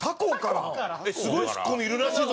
「すごいツッコミいるらしいぞ！」